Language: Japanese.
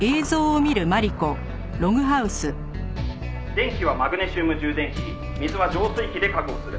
「電気はマグネシウム充電器で水は浄水器で確保する」